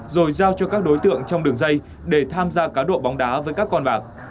rồi giao cho các đối tượng trong đường dây để tham gia cá độ bóng đá với các con bạc